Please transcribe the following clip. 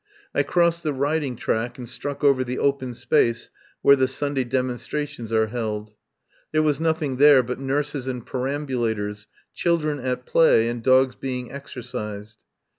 I crossed the riding track and struck over the open space where the Sunday demonstra tions are held. There was nothing there but nurses and perambulators, children at play, and dogs being exercised.